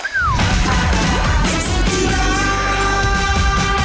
สุดท้ายสุดท้าย